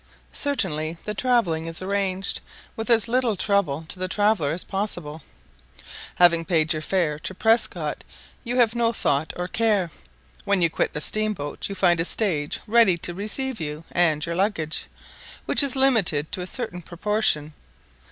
Certainly the travelling is arranged with as little trouble to the traveller as possible. Having paid your fare to Prescott you have no thought or care. When you quit the steam boat you find a stage ready to receive you and your luggage, which is limited to a certain proportion.